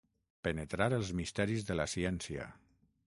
Penetrar els misteris de la ciència.